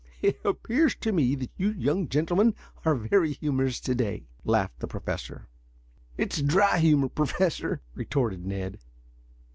"It appears to me that you young gentlemen are very humorous to day," laughed the Professor. "It's dry humor, Professor," retorted Ned.